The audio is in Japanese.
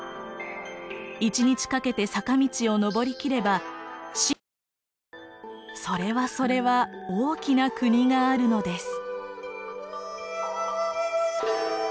一日かけて坂道を登りきれば晋というそれはそれは大きな国があるのです。